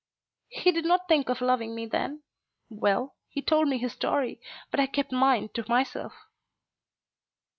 "He did not think of loving me then. Well; he told me his story, but I kept mine to myself."